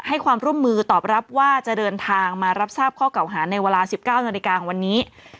ให้ความร่วมมือตอบรับว่าจะเดินทางมารับทราบข้อเก่าหาในเวลา๑๙นาฬิกาของวันนี้